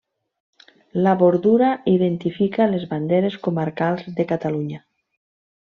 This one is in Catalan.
La bordura identifica les banderes comarcals de Catalunya.